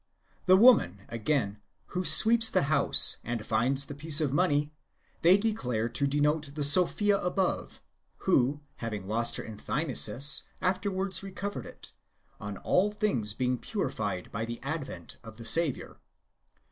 The woman, again, who sweeps the house and finds the piece of money, they declare to denote the Sophia above, who, having lost her enthymesis, afterwards recovered it, on all things being purified by the advent of the Saviour.